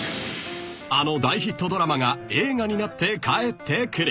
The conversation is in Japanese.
［あの大ヒットドラマが映画になって帰ってくる］